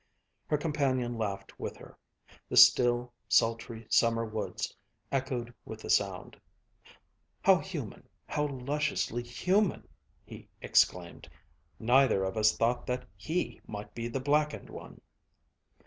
Her companion laughed with her. The still, sultry summer woods echoed with the sound. "How human, how lusciously human!" he exclaimed. "Neither of us thought that he might be the blackened one!"